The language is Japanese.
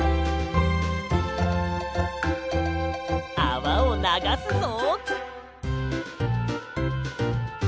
あわをながすぞ。